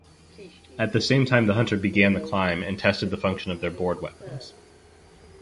At the same time the hunter began the climb and tested the function of their board weapons.